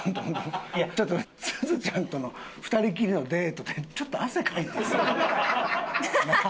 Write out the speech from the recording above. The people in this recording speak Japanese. ちょっとすずちゃんとの２人きりのデートでちょっと汗かいてるやん。なあ？